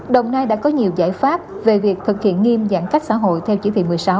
đồng nai đã có nhiều giải pháp về việc thực hiện nghiêm giãn cách xã hội theo chỉ thị một mươi sáu